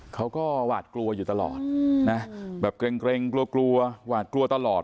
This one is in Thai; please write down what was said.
เขาก็หวาดกลัวอยู่ตลอดนะแบบเกร็งกลัวกลัวหวาดกลัวตลอด